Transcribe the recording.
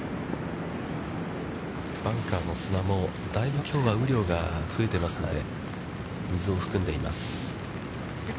バンカーの砂も、だいぶ、きょうは雨量がふえてますので、水を含んでいます。